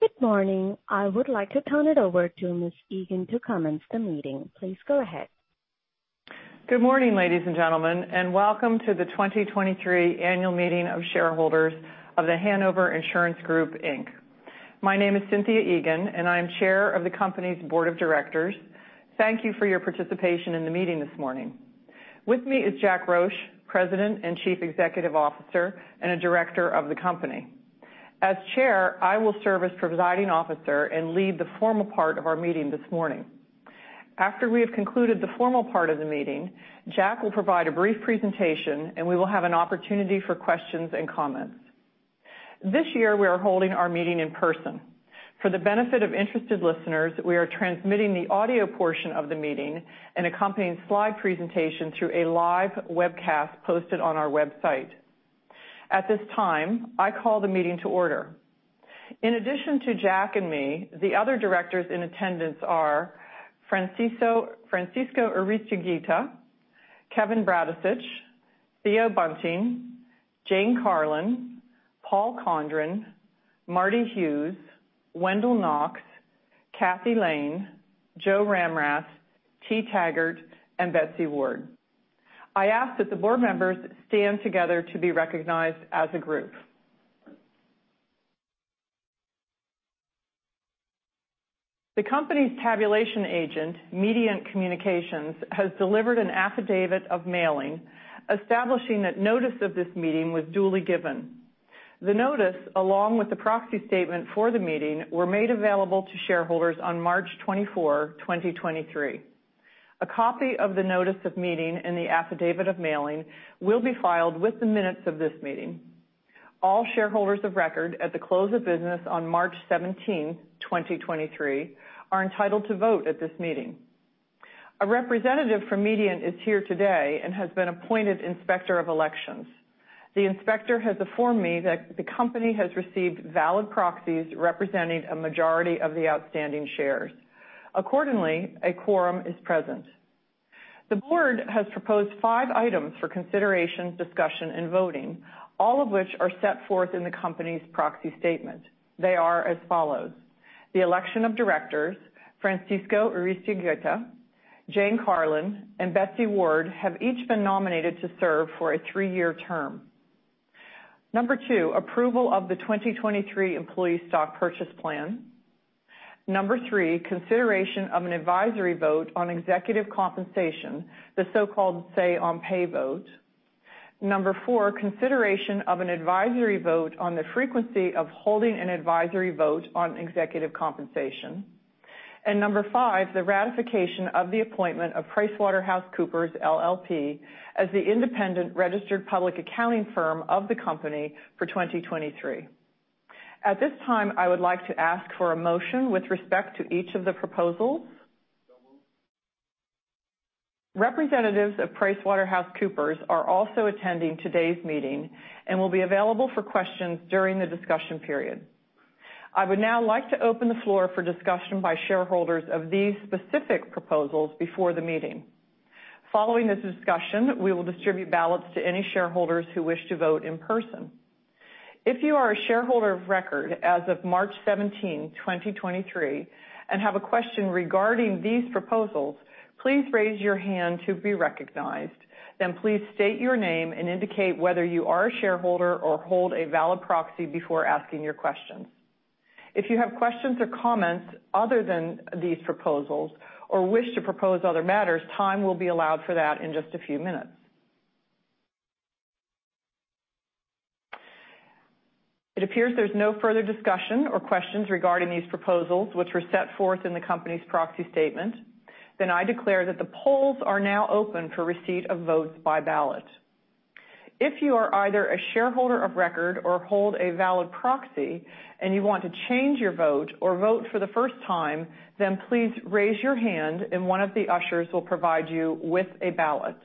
Good morning. I would like to turn it over to Ms. Egan to commence the meeting. Please go ahead. Good morning, ladies and gentlemen, and welcome to the 2023 annual meeting of shareholders of The Hanover Insurance Group Inc. My name is Cynthia Egan, and I am chair of the company's board of directors. Thank you for your participation in the meeting this morning. With me is Jack Roche, president and chief executive officer, and a director of the company. As chair, I will serve as presiding officer and lead the formal part of our meeting this morning. After we have concluded the formal part of the meeting, Jack will provide a brief presentation, and we will have an opportunity for questions and comments. This year, we are holding our meeting in person. For the benefit of interested listeners, we are transmitting the audio portion of the meeting and accompanying slide presentation through a live webcast posted on our website. At this time, I call the meeting to order. In addition to Jack and me, the other directors in attendance are Francisco Aristeguieta, Kevin Bradicich, Theo Bunting, Jane Carlin, Paul Condrin, Marty Hughes, Wendell Knox, Kathy Lane, Joe Ramrath, T. Taggart, and Betsy Ward. I ask that the board members stand together to be recognized as a group. The company's tabulation agent, Mediant Communications, has delivered an affidavit of mailing establishing that notice of this meeting was duly given. The notice, along with the proxy statement for the meeting, were made available to shareholders on March 24, 2023. A copy of the notice of meeting and the affidavit of mailing will be filed with the minutes of this meeting. All shareholders of record at the close of business on March 17th, 2023, are entitled to vote at this meeting. A representative from Mediant is here today and has been appointed Inspector of Elections. The inspector has informed me that the company has received valid proxies representing a majority of the outstanding shares. Accordingly, a quorum is present. The board has proposed five items for consideration, discussion, and voting, all of which are set forth in the company's proxy statement. They are as follows. The election of directors. Francisco Aristeguieta, Jane Carlin, and Betsy Ward have each been nominated to serve for a three-year term. Number two, approval of the 2023 employee stock purchase plan. Number three, consideration of an advisory vote on executive compensation, the so-called Say on Pay vote. Number four, consideration of an advisory vote on the frequency of holding an advisory vote on executive compensation. Number five, the ratification of the appointment of PricewaterhouseCoopers LLP as the independent registered public accounting firm of the company for 2023. At this time, I would like to ask for a motion with respect to each of the proposals. Moved. Representatives of PricewaterhouseCoopers are also attending today's meeting and will be available for questions during the discussion period. I would now like to open the floor for discussion by shareholders of these specific proposals before the meeting. Following this discussion, we will distribute ballots to any shareholders who wish to vote in person. If you are a shareholder of record as of March 17, 2023, and have a question regarding these proposals, please raise your hand to be recognized. Please state your name and indicate whether you are a shareholder or hold a valid proxy before asking your questions. If you have questions or comments other than these proposals or wish to propose other matters, time will be allowed for that in just a few minutes. It appears there is no further discussion or questions regarding these proposals, which were set forth in the company's proxy statement. I declare that the polls are now open for receipt of votes by ballot. If you are either a shareholder of record or hold a valid proxy and you want to change your vote or vote for the first time, then please raise your hand and one of the ushers will provide you with a ballot.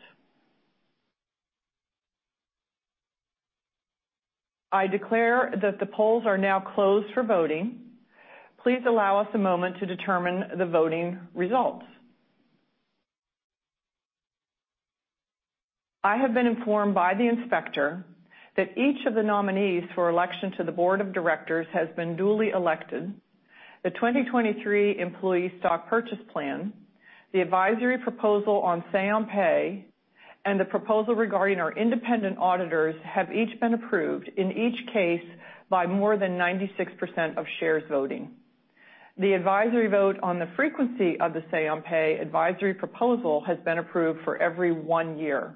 I declare that the polls are now closed for voting. Please allow us a moment to determine the voting results. I have been informed by the inspector that each of the nominees for election to the board of directors has been duly elected. The 2023 employee stock purchase plan, the advisory proposal on Say on Pay, and the proposal regarding our independent auditors have each been approved, in each case, by more than 96% of shares voting. The advisory vote on the frequency of the Say on Pay advisory proposal has been approved for every one year.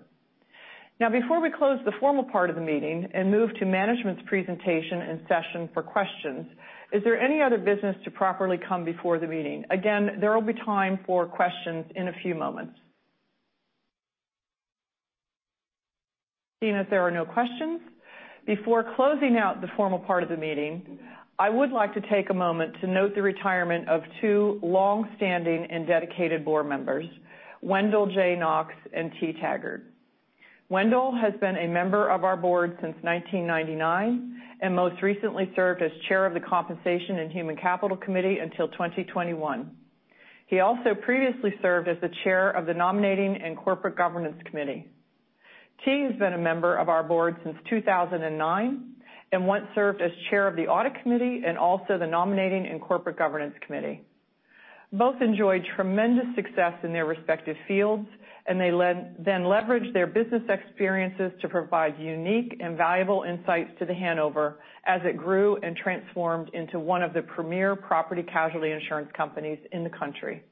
Now, before we close the formal part of the meeting and move to management's presentation and session for questions, is there any other business to properly come before the meeting? Again, there will be time for questions in a few moments. Seeing that there are no questions, before closing out the formal part of the meeting, I would like to take a moment to note the retirement of two longstanding and dedicated board members, Wendell J. Knox and T. Taggart. Wendell has been a member of our board since 1999, and most recently served as Chair of the Compensation and Human Capital Committee until 2021. He also previously served as the Chair of the Nominating and Corporate Governance Committee. T. has been a member of our board since 2009 and once served as Chair of the Audit Committee and also the Nominating and Corporate Governance Committee. Both enjoyed tremendous success in their respective fields, and they then leveraged their business experiences to provide unique and valuable insights to The Hanover as it grew and transformed into one of the premier property casualty insurance companies in the country.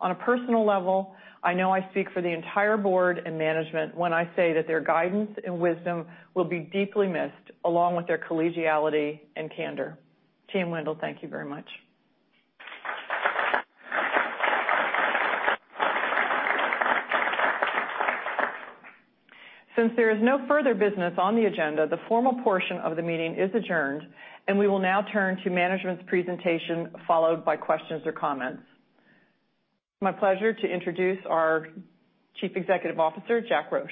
On a personal level, I know I speak for the entire board and management when I say that their guidance and wisdom will be deeply missed, along with their collegiality and candor. T. and Wendell, thank you very much. Since there is no further business on the agenda, the formal portion of the meeting is adjourned, and we will now turn to management's presentation, followed by questions or comments. My pleasure to introduce our Chief Executive Officer, Jack Roche.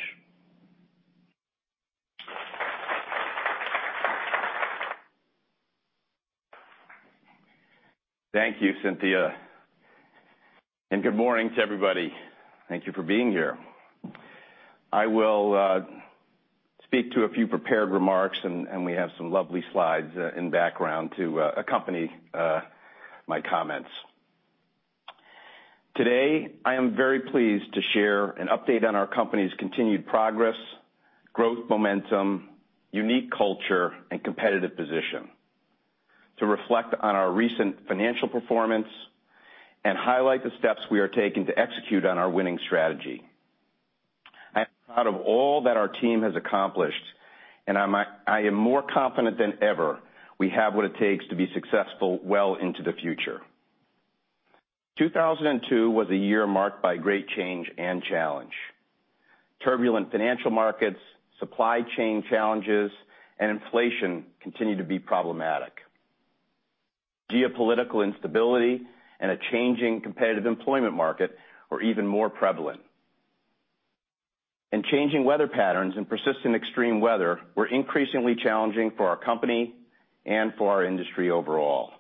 Thank you, Cynthia, and good morning to everybody. Thank you for being here. I will speak to a few prepared remarks, and we have some lovely slides and background to accompany my comments. Today, I am very pleased to share an update on our company's continued progress, growth momentum, unique culture, and competitive position. To reflect on our recent financial performance and highlight the steps we are taking to execute on our winning strategy. I am proud of all that our team has accomplished, and I am more confident than ever we have what it takes to be successful well into the future. 2002 was a year marked by great change and challenge. Turbulent financial markets, supply chain challenges, and inflation continue to be problematic. Geopolitical instability and a changing competitive employment market are even more prevalent. Changing weather patterns and persistent extreme weather were increasingly challenging for our company and for our industry overall.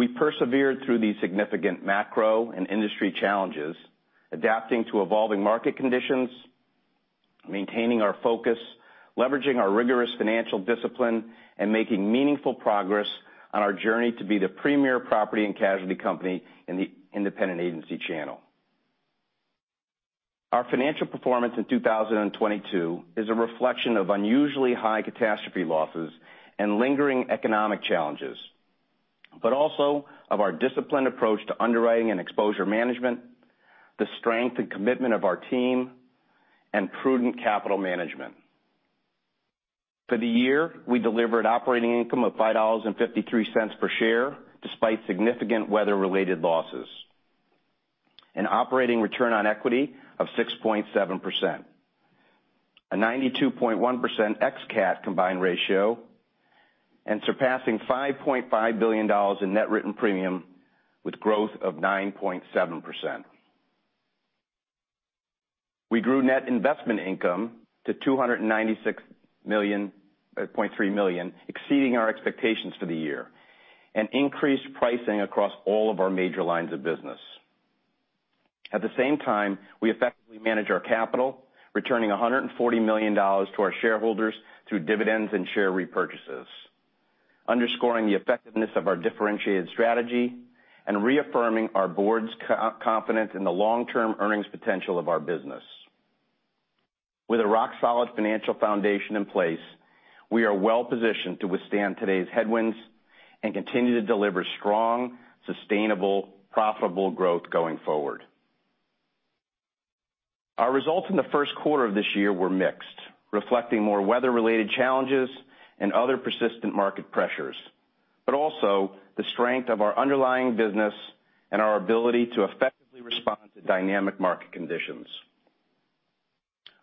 We persevered through these significant macro and industry challenges, adapting to evolving market conditions, maintaining our focus, leveraging our rigorous financial discipline, and making meaningful progress on our journey to be the premier property and casualty company in the independent agency channel. Our financial performance in 2022 is a reflection of unusually high catastrophe losses and lingering economic challenges, but also of our disciplined approach to underwriting and exposure management, the strength and commitment of our team, and prudent capital management. For the year, we delivered operating income of $5.53 per share, despite significant weather-related losses. An operating return on equity of 6.7%, a 92.1% ex-CAT combined ratio, and surpassing $5.5 billion in net written premium with growth of 9.7%. We grew net investment income to $296.3 million, exceeding our expectations for the year, and increased pricing across all of our major lines of business. At the same time, we effectively manage our capital, returning $140 million to our shareholders through dividends and share repurchases, underscoring the effectiveness of our differentiated strategy and reaffirming our board's confidence in the long-term earnings potential of our business. With a rock-solid financial foundation in place, we are well-positioned to withstand today's headwinds and continue to deliver strong, sustainable, profitable growth going forward. Our results in the first quarter of this year were mixed, reflecting more weather-related challenges and other persistent market pressures, but also the strength of our underlying business and our ability to effectively respond to dynamic market conditions.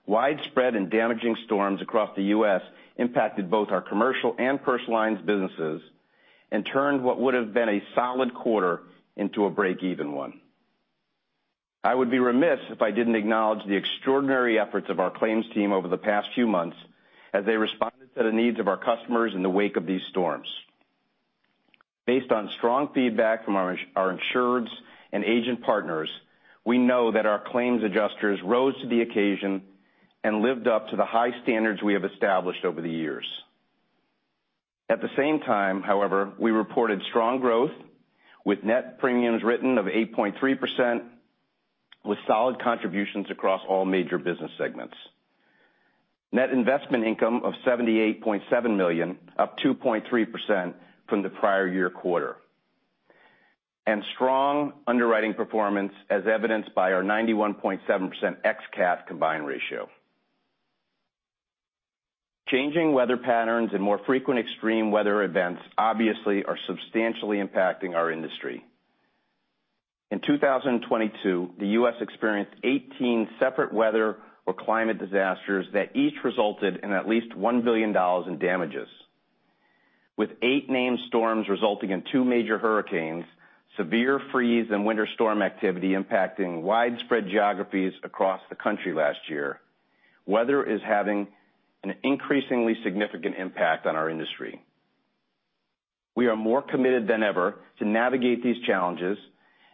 Widespread and damaging storms across the U.S. impacted both our commercial and personal lines businesses and turned what would have been a solid quarter into a break-even one. I would be remiss if I didn't acknowledge the extraordinary efforts of our claims team over the past few months as they responded to the needs of our customers in the wake of these storms. Based on strong feedback from our insureds and agent partners, we know that our claims adjusters rose to the occasion and lived up to the high standards we have established over the years. At the same time, however, we reported strong growth with net premiums written of 8.3% with solid contributions across all major business segments. Net investment income of $78.7 million, up 2.3% from the prior year quarter. Strong underwriting performance as evidenced by our 91.7% ex-CAT combined ratio. Changing weather patterns and more frequent extreme weather events obviously are substantially impacting our industry. In 2022, the U.S. experienced 18 separate weather or climate disasters that each resulted in at least $1 billion in damages. With eight named storms resulting in two major hurricanes, severe freeze and winter storm activity impacting widespread geographies across the country last year, weather is having an increasingly significant impact on our industry. We are more committed than ever to navigate these challenges,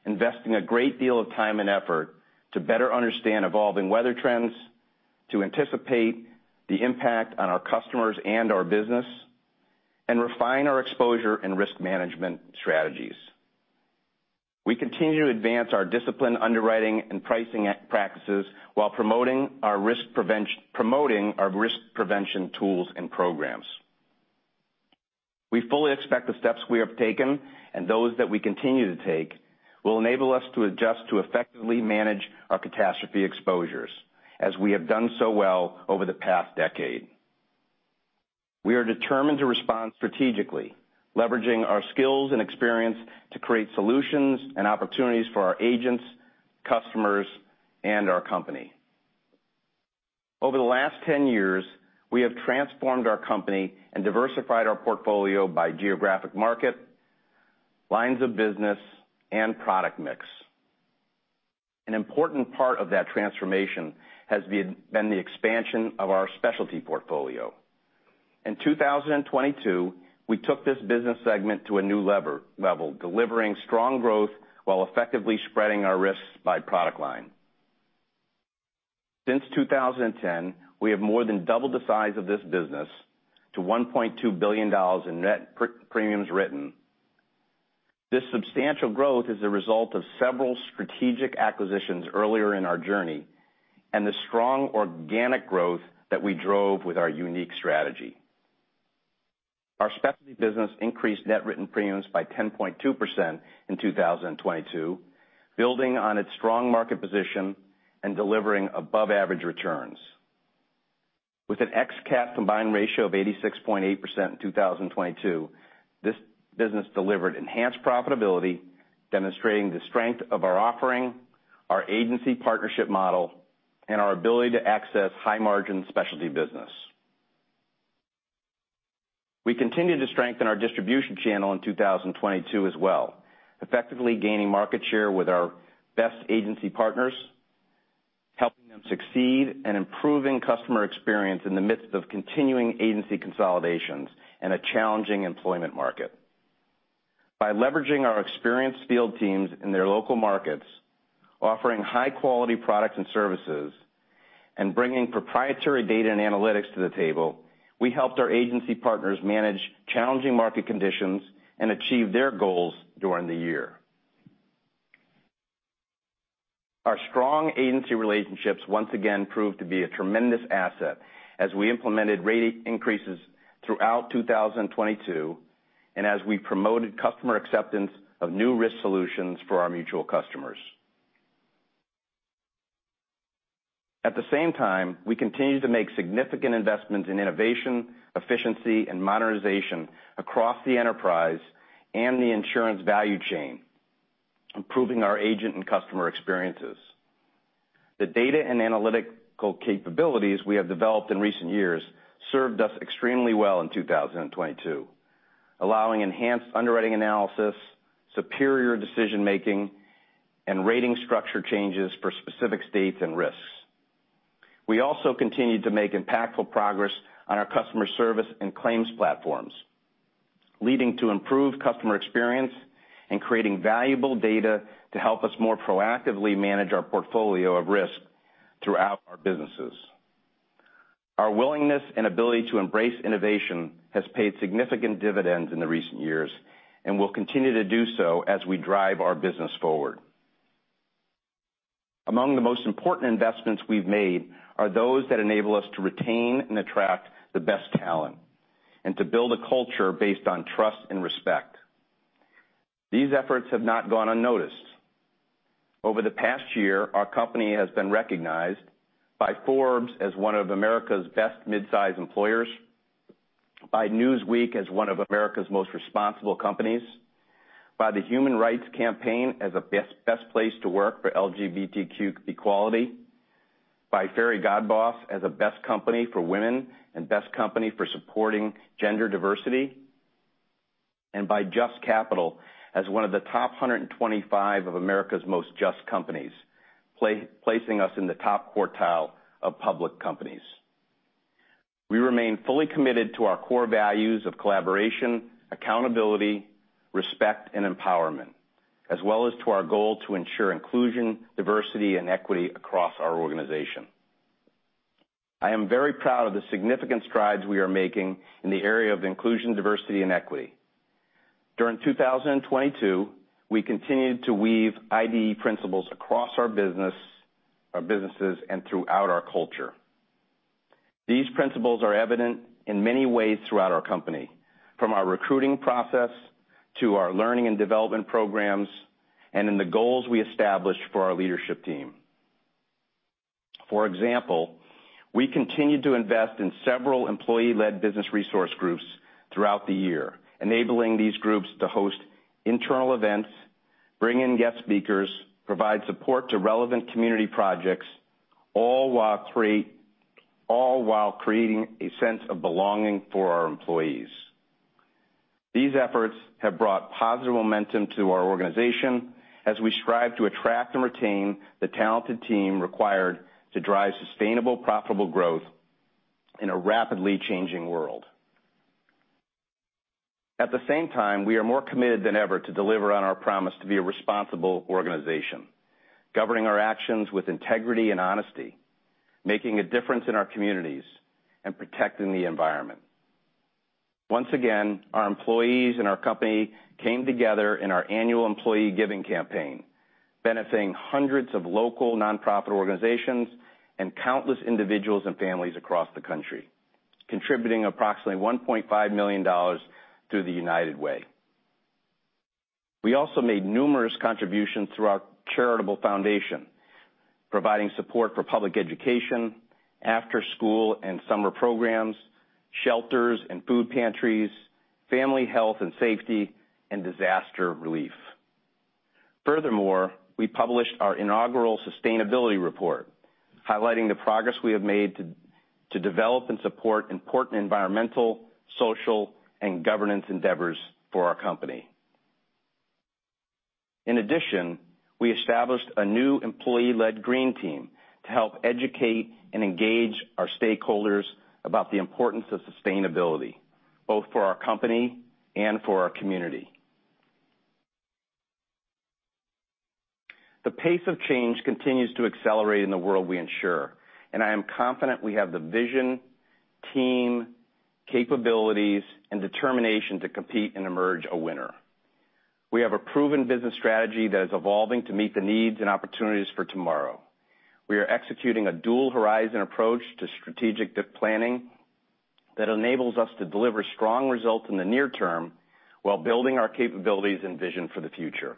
investing a great deal of time and effort to better understand evolving weather trends, to anticipate the impact on our customers and our business, and refine our exposure and risk management strategies. We continue to advance our disciplined underwriting and pricing practices while promoting our risk prevention tools and programs. We fully expect the steps we have taken and those that we continue to take will enable us to adjust to effectively manage our catastrophe exposures, as we have done so well over the past decade. We are determined to respond strategically, leveraging our skills and experience to create solutions and opportunities for our agents, customers, and our company. Over the last 10 years, we have transformed our company and diversified our portfolio by geographic market, lines of business, and product mix. An important part of that transformation has been the expansion of our specialty portfolio. In 2022, we took this business segment to a new level, delivering strong growth while effectively spreading our risks by product line. Since 2010, we have more than doubled the size of this business to $1.2 billion in net premiums written. This substantial growth is the result of several strategic acquisitions earlier in our journey, and the strong organic growth that we drove with our unique strategy. Our specialty business increased net written premiums by 10.2% in 2022, building on its strong market position and delivering above-average returns. With an ex-CAT combined ratio of 86.8% in 2022, this business delivered enhanced profitability, demonstrating the strength of our offering, our agency partnership model, and our ability to access high-margin specialty business. We continued to strengthen our distribution channel in 2022 as well, effectively gaining market share with our best agency partners, helping them succeed, and improving customer experience in the midst of continuing agency consolidations and a challenging employment market. By leveraging our experienced field teams in their local markets, offering high-quality products and services, and bringing proprietary data and analytics to the table, we helped our agency partners manage challenging market conditions and achieve their goals during the year. Our strong agency relationships once again proved to be a tremendous asset as we implemented rate increases throughout 2022 and as we promoted customer acceptance of new risk solutions for our mutual customers. At the same time, we continued to make significant investments in innovation, efficiency, and modernization across the enterprise and the insurance value chain, improving our agent and customer experiences. The data and analytical capabilities we have developed in recent years served us extremely well in 2022, allowing enhanced underwriting analysis, superior decision-making, and rating structure changes for specific states and risks. We also continued to make impactful progress on our customer service and claims platforms, leading to improved customer experience and creating valuable data to help us more proactively manage our portfolio of risk throughout our businesses. Our willingness and ability to embrace innovation has paid significant dividends in the recent years and will continue to do so as we drive our business forward. Among the most important investments we've made are those that enable us to retain and attract the best talent and to build a culture based on trust and respect. These efforts have not gone unnoticed. Over the past year, our company has been recognized by Forbes as one of America's best mid-size employers, by Newsweek as one of America's most responsible companies, by the Human Rights Campaign as a Best Place to Work for LGBTQ equality, by Fairygodboss as a best company for women and best company for supporting gender diversity, and by JUST Capital as one of the top 125 of America's most just companies, placing us in the top quartile of public companies. We remain fully committed to our core values of collaboration, accountability, respect, and empowerment, as well as to our goal to ensure inclusion, diversity, and equity across our organization. I am very proud of the significant strides we are making in the area of inclusion, diversity, and equity. During 2022, we continued to weave ID&E principles across our businesses and throughout our culture. These principles are evident in many ways throughout our company, from our recruiting process to our learning and development programs, and in the goals we established for our leadership team. For example, we continued to invest in several employee-led business resource groups throughout the year, enabling these groups to host internal events, bring in guest speakers, provide support to relevant community projects, all while creating a sense of belonging for our employees. These efforts have brought positive momentum to our organization as we strive to attract and retain the talented team required to drive sustainable, profitable growth in a rapidly changing world. At the same time, we are more committed than ever to deliver on our promise to be a responsible organization, governing our actions with integrity and honesty, making a difference in our communities, and protecting the environment. Once again, our employees and our company came together in our annual employee giving campaign, benefiting hundreds of local nonprofit organizations and countless individuals and families across the country, contributing approximately $1.5 million through the United Way. We also made numerous contributions through our charitable foundation, providing support for public education, after-school and summer programs, shelters and food pantries, family health and safety, and disaster relief. Furthermore, we published our inaugural sustainability report, highlighting the progress we have made to develop and support important environmental, social, and governance endeavors for our company. In addition, we established a new employee-led green team to help educate and engage our stakeholders about the importance of sustainability, both for our company and for our community. The pace of change continues to accelerate in the world we ensure, and I am confident we have the vision, team, capabilities, and determination to compete and emerge a winner. We have a proven business strategy that is evolving to meet the needs and opportunities for tomorrow. We are executing a dual horizon approach to strategic planning that enables us to deliver strong results in the near term while building our capabilities and vision for the future.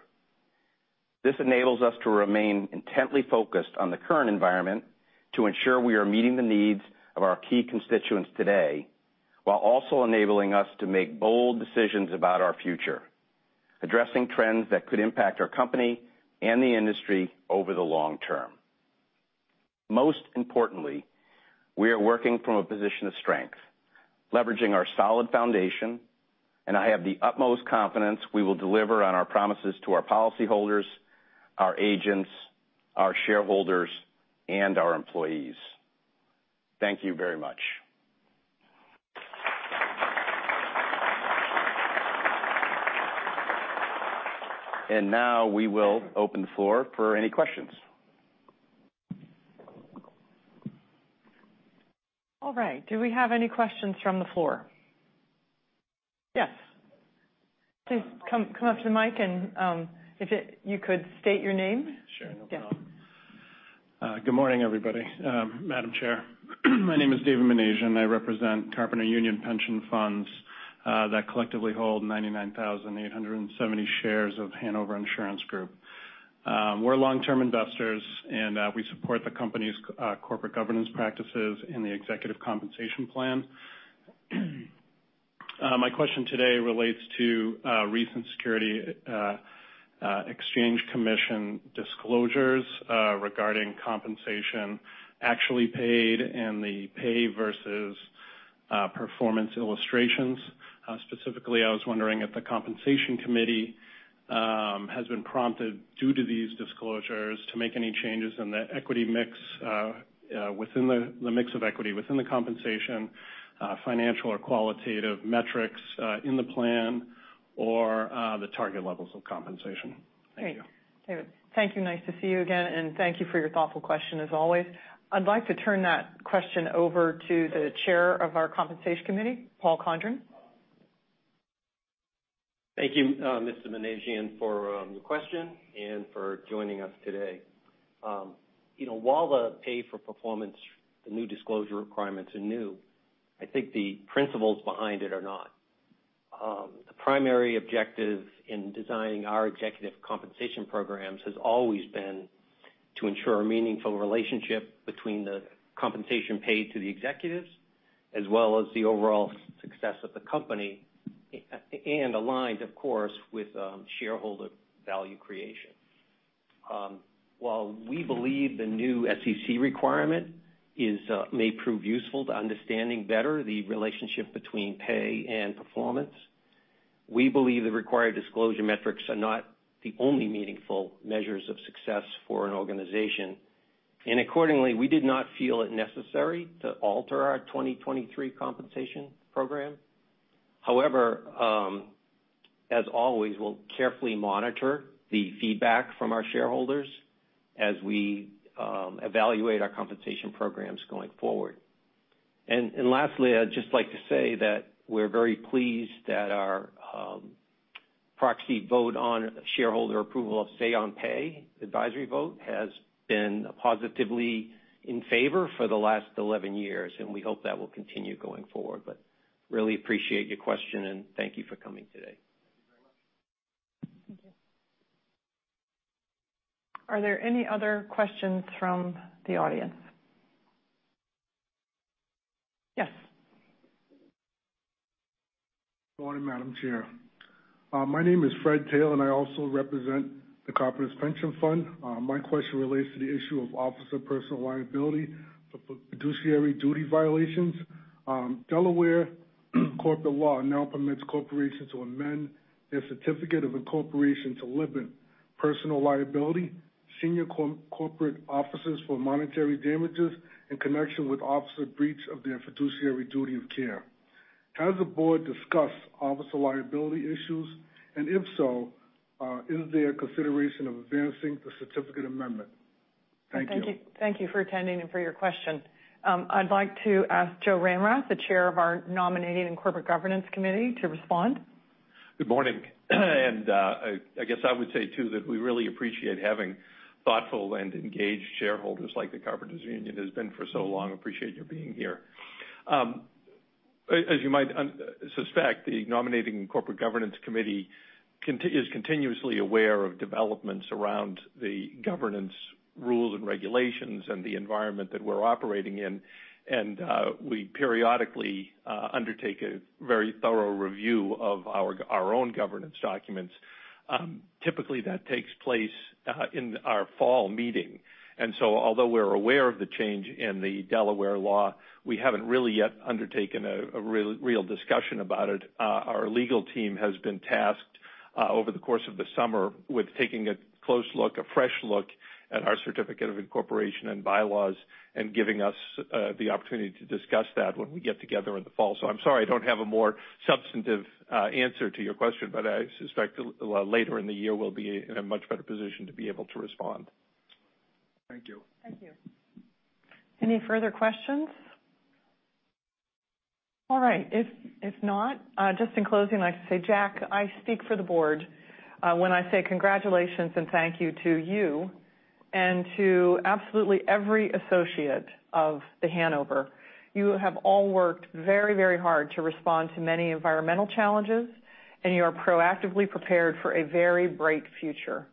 This enables us to remain intently focused on the current environment to ensure we are meeting the needs of our key constituents today, while also enabling us to make bold decisions about our future, addressing trends that could impact our company and the industry over the long term. Most importantly, we are working from a position of strength, leveraging our solid foundation, and I have the utmost confidence we will deliver on our promises to our policyholders, our agents, our shareholders, and our employees. Thank you very much. Now we will open the floor for any questions. All right. Do we have any questions from the floor? Yes. Please come up to the mic and if you could state your name. Sure. No problem. Good morning, everybody. Madam Chair, my name is David Menashian. I represent Carpenter Union Pension Funds that collectively hold 99,870 shares of Hanover Insurance Group. We support the company's corporate governance practices and the executive compensation plan. My question today relates to recent Securities and Exchange Commission disclosures regarding compensation actually paid and the pay versus performance illustrations. Specifically, I was wondering if the Compensation Committee has been prompted due to these disclosures to make any changes in the mix of equity within the compensation, financial or qualitative metrics in the plan or the target levels of compensation. Thank you. David. Thank you. Nice to see you again. Thank you for your thoughtful question as always. I'd like to turn that question over to the chair of our Compensation Committee, Paul Condrin. Thank you, Mr. Menashian for the question and for joining us today. While the pay for performance, the new disclosure requirements are new, I think the principles behind it are not. The primary objective in designing our executive compensation programs has always been to ensure a meaningful relationship between the compensation paid to the executives as well as the overall success of the company, and aligned, of course, with shareholder value creation. While we believe the new SEC requirement may prove useful to understanding better the relationship between pay and performance, we believe the required disclosure metrics are not the only meaningful measures of success for an organization. Accordingly, we did not feel it necessary to alter our 2023 compensation program. However, as always, we'll carefully monitor the feedback from our shareholders as we evaluate our compensation programs going forward. I'd just like to say that we're very pleased that our proxy vote on shareholder approval of Say on Pay advisory vote has been positively in favor for the last 11 years. We hope that will continue going forward. Really appreciate your question, and thank you for coming today. Thank you very much. Thank you. Are there any other questions from the audience? Yes. Good morning, Madam Chair. My name is Fred Teal. I also represent the Carpenter's Pension Fund. My question relates to the issue of officer personal liability for fiduciary duty violations. Delaware corporate law now permits corporations to amend their certificate of incorporation to limit personal liability, senior corporate officers for monetary damages in connection with officer breach of their fiduciary duty of care. Has the board discussed officer liability issues, and if so, is there consideration of advancing the certificate amendment? Thank you. Thank you for attending and for your question. I'd like to ask Joe Ramrath, the Chair of our Nominating and Corporate Governance Committee, to respond. Good morning. I guess I would say, too, that we really appreciate having thoughtful and engaged shareholders like the Carpenters Union has been for so long. Appreciate you being here. As you might suspect, the Nominating and Corporate Governance Committee is continuously aware of developments around the governance rules and regulations and the environment that we're operating in. We periodically undertake a very thorough review of our own governance documents. Typically, that takes place in our fall meeting. Although we're aware of the change in the Delaware law, we haven't really yet undertaken a real discussion about it. Our legal team has been tasked over the course of the summer with taking a close look, a fresh look at our certificate of incorporation and bylaws and giving us the opportunity to discuss that when we get together in the fall. I'm sorry I don't have a more substantive answer to your question, but I suspect later in the year we'll be in a much better position to be able to respond. Thank you. Thank you. Any further questions? All right. If not, just in closing, I say, Jack, I speak for the board when I say congratulations and thank you to you and to absolutely every associate of The Hanover. You have all worked very, very hard to respond to many environmental challenges, and you are proactively prepared for a very bright future,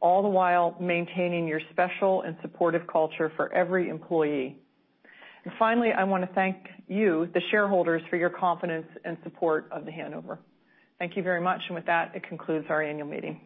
all the while maintaining your special and supportive culture for every employee. Finally, I want to thank you, the shareholders, for your confidence and support of The Hanover. Thank you very much. With that, it concludes our annual meeting.